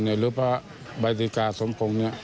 หรือบริกาสมพงศ์